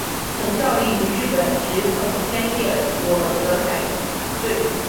曾经效力于日本职棒千叶罗德海洋队。